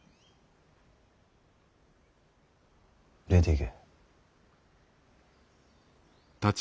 出ていけ。